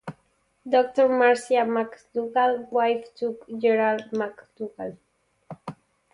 Doctor Marcia MacDougal: Wife to Gerald MacDougal.